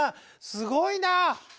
すごいな。